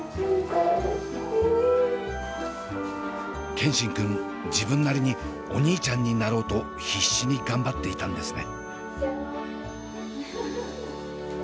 健新くん自分なりにお兄ちゃんになろうと必死に頑張っていたんですね。